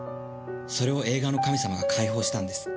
それを映画の神様が解放したんです。